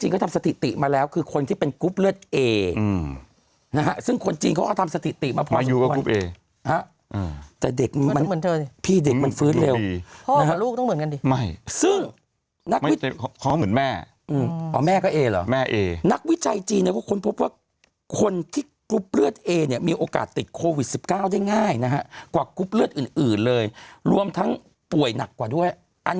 ก้อนได้ไม่ซึ่งฮอมเหมือนแม่แม่เรหมะแอ